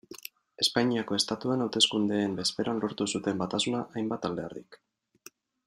Espainiako Estatuan hauteskundeen bezperan lortu zuten batasuna hainbat alderdik.